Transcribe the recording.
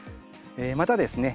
またですね